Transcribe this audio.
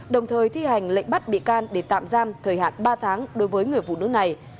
đồng thời thi hành lệnh bắt bị can để tạm giam thời hạn ba tháng đối với người phụ nữ này